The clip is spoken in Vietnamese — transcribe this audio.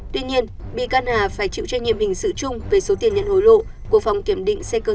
tuy nhiên bị can hà phải chịu trách nhiệm hình sự chung về số tiền nhận hối lộ của phòng kiểm định xe cơ giới